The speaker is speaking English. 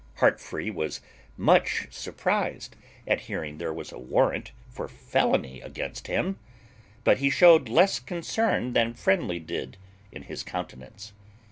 Heartfree was much surprized at hearing there was a warrant for felony against him; but he shewed less concern than Friendly did in his countenance.